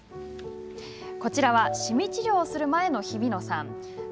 こちらはシミ治療をする前の日比野さん。